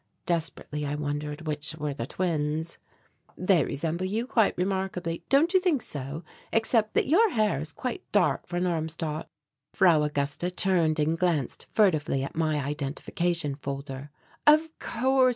Desperately I wondered which were the twins. "They resemble you quite remarkably, don't you think so? Except that your hair is quite dark for an Armstadt." Frau Augusta turned and glanced furtively at my identification folder. "Of course!